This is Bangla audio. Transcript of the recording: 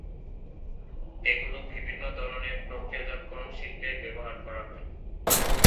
এগুলো বিভিন্ন ধরনের প্রক্রিয়াজাতকরণ শিল্পে ব্যবহার করা হয়।